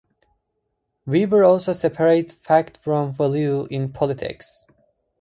Weber also separates fact from value in politics.